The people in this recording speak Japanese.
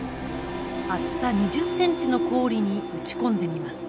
厚さ２０センチの氷に撃ち込んでみます。